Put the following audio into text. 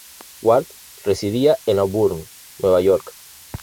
Ward residía en Auburn, Nueva York.